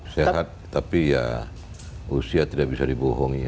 sehat tapi ya usia tidak bisa dibohongi